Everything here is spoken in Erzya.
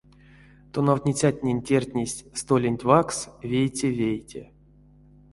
Тонавтницятнень тердтнесть столенть ваксс вейте-вейте.